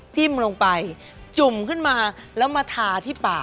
จิ้มลงไปจุ่มขึ้นมาแล้วมาทาที่ปาก